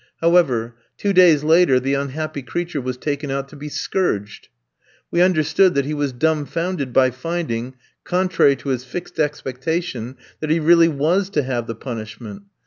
However, two days later the unhappy creature was taken out to be scourged. We understood that he was dumbfounded by finding, contrary to his fixed expectation, that he really was to have the punishment.